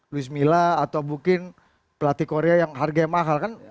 luiz mila atau mungkin pelatih korea yang harga yang mahal kan